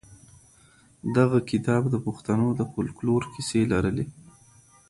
دغه کتاب د پښتنو د فولکلور کیسې لرلې.